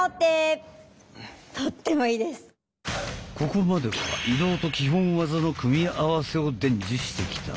ここまでは移動と基本技の組み合わせを伝授してきた。